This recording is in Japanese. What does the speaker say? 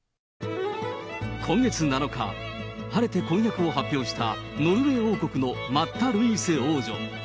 今月７日、晴れて婚約を発表した、ノルウェー王国のマッタ・ルイーセ王女。